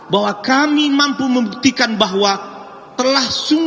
bahwa kami mampu membuktikan bahwa